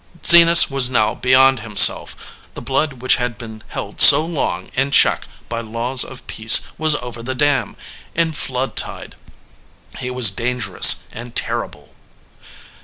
Zenas was now beyond himself. The blood which had been held so long in check by laws of peace was over the dam, in flood tide. He was dangerous and terrible.